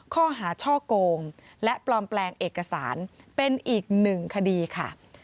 ข้อหาช่อโกงและปลอมแปลงเอกสารเป็นอีกหนึ่งคดีค่ะ